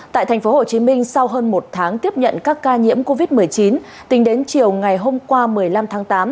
tại tp hcm sau hơn một tháng tiếp nhận các ca nhiễm covid một mươi chín tính đến chiều ngày hôm qua một mươi năm tháng tám